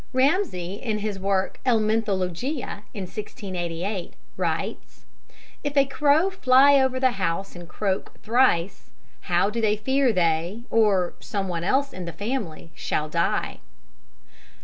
Ramesay, in his work Elminthologia (1688), writes: "If a crow fly over the house and croak thrice, how do they fear they, or someone else in the family, shall die."